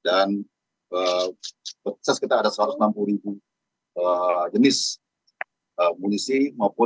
dan setelah kita ada satu ratus enam puluh jenis munisi maupun bahan berdak yang ada di bidang itu